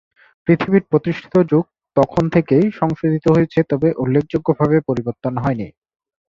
পৃথিবীর প্রতিষ্ঠিত যুগ তখন থেকেই সংশোধিত হয়েছে তবে উল্লেখযোগ্যভাবে পরিবর্তন হয়নি।